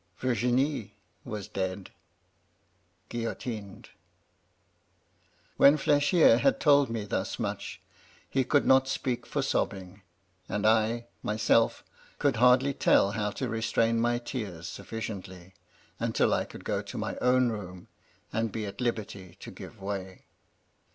Virginie was dead — ^guillotined.' " When Flechier had told me thus much, he could not spejpk for sobbing ; and I, myself, could hardly tell how to restrain my tears sufficiently, until I could go to my own room and be at liberty to give way.